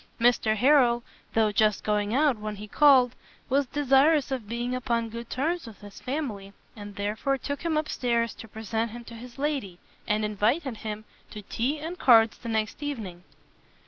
Mr Harrel, though just going out when he called, was desirous of being upon good terms with his family, and therefore took him up stairs to present him to his lady, and invited him to tea and cards the next evening.